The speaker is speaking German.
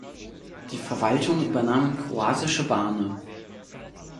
Die Verwaltung übernahmen kroatische Bane.